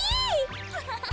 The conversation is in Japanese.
アハハハ。